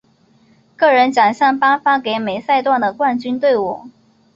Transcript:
个人奖项颁发给每赛段的冠军队伍。